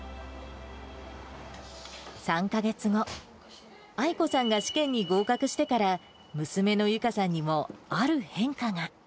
３か月後、アイコさんが試験に合格してから、娘のユカさんにもある変化が。